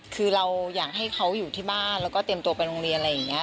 คือเราอยากให้เขาอยู่ที่บ้านแล้วก็เตรียมตัวไปโรงเรียนอะไรอย่างนี้